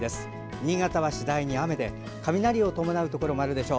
新潟は次第に雨で雷が伴うところもあるでしょう。